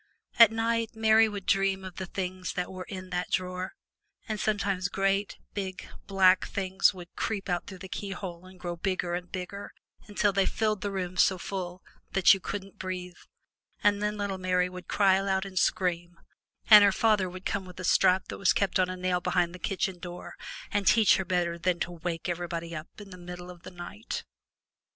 At night, Mary would dream of the things that were in that drawer, and sometimes great, big, black things would creep out through the keyhole and grow bigger and bigger until they filled the room so full that you couldn't breathe, and then little Mary would cry aloud and scream, and her father would come with a strap that was kept on a nail behind the kitchen door and teach her better than to wake everybody up in the middle of the night.